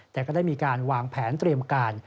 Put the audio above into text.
แต่ก็ได้มีการวางแผนเตรียมการ